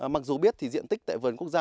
mặc dù biết thì diện tích tại vườn quốc gia